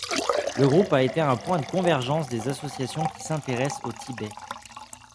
Le groupe a été un point de convergence des associations qui s’intéressent au Tibet.